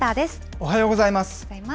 おはようございます。